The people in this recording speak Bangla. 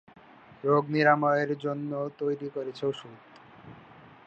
রোগ নিরাময়ের জন্য তৈরি করেছে ঔষধ।